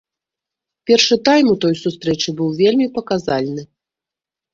Першы тайм у той сустрэчы быў вельмі паказальны.